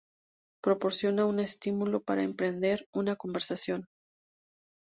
Proporcionan un estímulo para emprender una conversación.